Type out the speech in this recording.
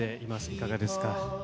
いかがですか。